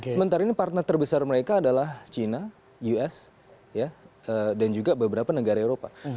sementara ini partner terbesar mereka adalah china us dan juga beberapa negara eropa